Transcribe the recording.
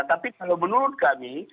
tapi kalau menurut kami